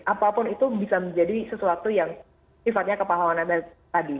apapun itu bisa menjadi sesuatu yang sifatnya kepahlawanan tadi